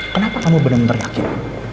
kenapa kamu bener bener yakin